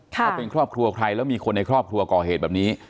ถ้าเป็นครอบครัวใครแล้วมีคนในครอบครัวก่อเหตุแบบนี้